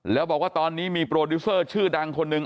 แล้วบอกว่าตอนนี้มีโปรดิวเซอร์ชื่อดังคนหนึ่ง